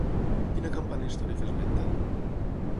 Quina campana històrica esmenta?